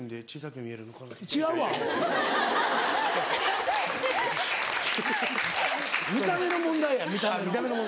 見た目の問題や見た目の。